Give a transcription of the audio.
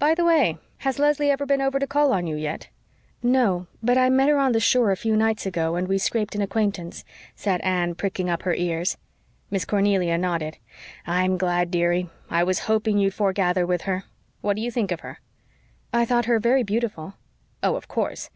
By the way, has Leslie ever been over to call on you yet?" "No, but I met her on the shore a few nights ago and we scraped an acquaintance," said Anne, pricking up her ears. Miss Cornelia nodded. "I'm glad, dearie. I was hoping you'd foregather with her. What do you think of her?" "I thought her very beautiful." "Oh, of course.